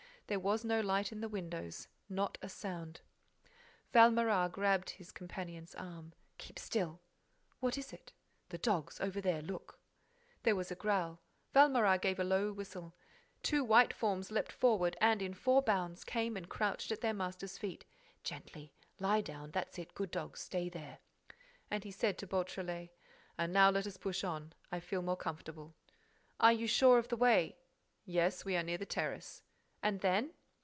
There was no light in the windows; not a sound. Valméras grasped his companion's arm: "Keep still!" "What is it?" "The dogs, over there—look—" There was a growl. Valméras gave a low whistle. Two white forms leapt forward and, in four bounds, came and crouched at their master's feet. "Gently—lie down—that's it—good dogs—stay there." And he said to Beautrelet: "And now let us push on. I feel more comfortable." "Are you sure of the way?" "Yes. We are near the terrace." "And then?"